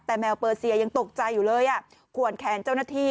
แต่แมวเปอร์เซียยังตกใจอยู่เลยอ่ะขวนแขนเจ้าหน้าที่